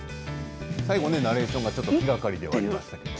最後の、ナレーションが気がかりでしたけどね。